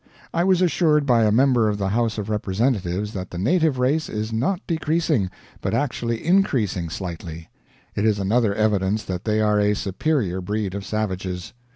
I was assured by a member of the House of Representatives that the native race is not decreasing, but actually increasing slightly. It is another evidence that they are a superior breed of savages.